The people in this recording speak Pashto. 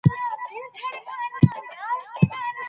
مالګه او بوره په پروسس کې د خوند لپاره کارول کېږي.